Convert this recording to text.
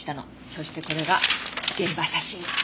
そしてこれが現場写真。